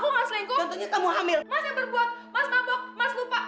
mas yang berbuat mas mabok mas lupa